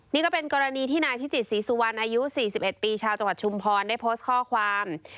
นี่ก็เป็นกรณีที่นายพิจิตรศรีสุวรรณอายุ๔๑ปีชาวจังหวัดชุมพรได้โพสต์ข้อความ